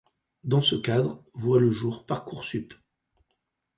Dans ce cadre voit le jour ParcourSup.